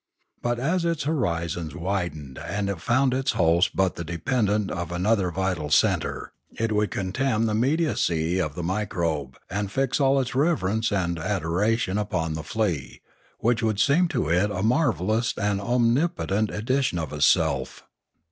But as its horizon widened and it found its host but the dependent of an other vital centre, it would contemn the mediacy of the microbe, and fix all its reverence and adoration upon the flea, which would seem to it a miraculous and om nipotent edition of itself.